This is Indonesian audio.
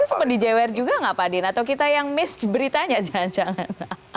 itu sempat dijewer juga nggak pak din atau kita yang miss beritanya jangan jangan